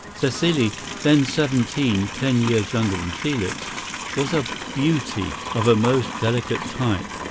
Cécile, then seventeen (ten years younger than Felix), was a "beauty" of a most delicate type.